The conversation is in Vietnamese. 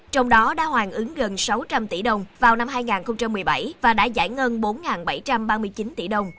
trong đó đã hoàn ứng gần sáu trăm linh tỷ đồng vào năm hai nghìn một mươi bảy và đã giải ngân bốn bảy trăm ba mươi chín tỷ đồng